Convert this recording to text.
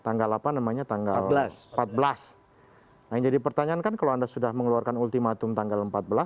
nah yang jadi pertanyaan kan kalau anda sudah mengeluarkan ultimatum tanggal empat belas